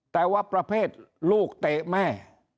แต่ว่าประเภทลูกเตะแม่